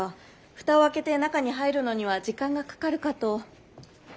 蓋を開けて中に入るのには時間がかかるかと。